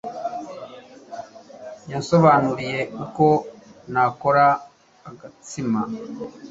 Yansobanuriye uko nakora agatsima.